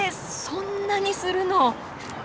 そんなにするの？